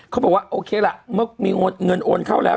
เขาบอกว่าโอเคล่ะเมื่อมีเงินโอนเข้าแล้ว